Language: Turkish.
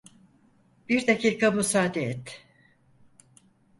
Bir dakika müsaade et.